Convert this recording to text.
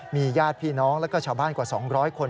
มีญาติพี่น้องแล้วก็ชาวบ้านกว่า๒๐๐คน